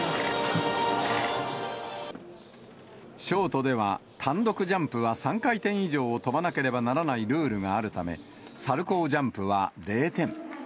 ショートでは、単独ジャンプは３回転以上を跳ばなければならないルールがあるため、サルコージャンプは０点。